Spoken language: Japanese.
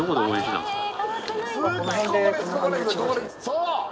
そう！